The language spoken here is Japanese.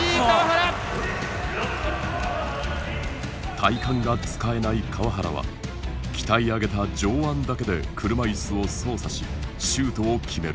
体幹が使えない川原は鍛え上げた上腕だけで車いすを操作しシュートを決める。